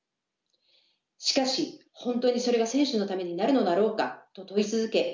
しかし本当にそれが選手のためになるのだろうかと問い続け